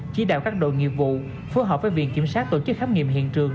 chỉ đạo các đội nghiệp vụ phối hợp với viện kiểm sát tổ chức khám nghiệm hiện trường